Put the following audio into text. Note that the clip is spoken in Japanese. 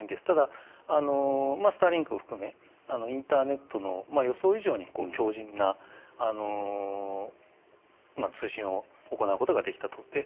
ただ、スターリンクを含めインターネットの予想以上に強じんな通信を行うことができたと。